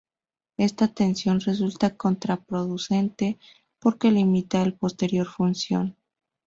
Esta tensión resulta contraproducente porque limita la posterior función.